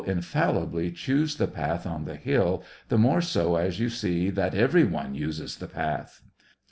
25 infallibly choose the path on the hill, the more so as you see that every one uses the path.